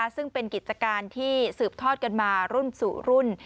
ซึ่งเป็นกิจการที่สืบทอดกันมารุ่นสู่รุ่น